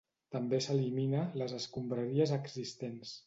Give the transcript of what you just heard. També s'elimina les escombraries existents.